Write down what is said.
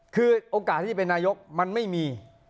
คือโอกาสที่จะเป็นนายกมันไม่มี